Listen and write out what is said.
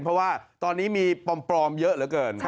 เพราะว่าตอนนี้มีปลอมเยอะเหลือเกิน